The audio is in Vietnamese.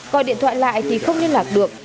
coi điện thoại lại thì không liên lạc được